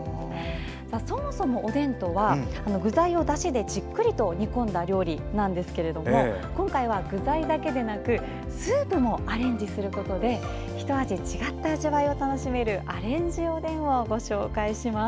そもそも、おでんとは具材をだしでじっくりと煮込んだ料理なんですが今回は、具材だけでなくスープもアレンジすることでひと味違った味わいを楽しめるアレンジおでんをご紹介します。